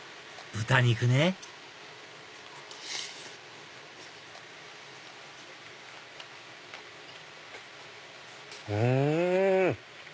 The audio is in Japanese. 豚肉ねうん！